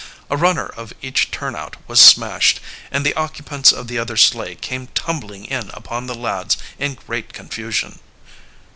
A runner of each turnout was smashed, and the occupants of the other sleigh came tumbling in upon the lads in great confusion.